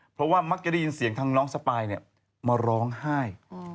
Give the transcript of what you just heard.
เพราะว่ามักจะได้ยินเสียงทางน้องสปายมาร้องไห้